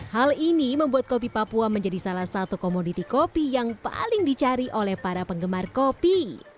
hal ini membuat kopi papua menjadi salah satu komoditi kopi yang paling dicari oleh para penggemar kopi